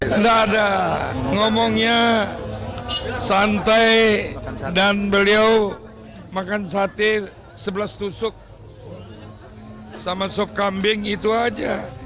tidak ada ngomongnya santai dan beliau makan sate sebelas tusuk sama sop kambing itu aja